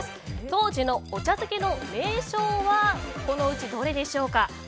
当時のお茶漬けの名称はこのうちどれでしょうか。